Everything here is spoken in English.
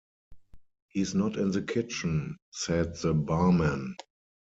"He's not in the kitchen," said the barman.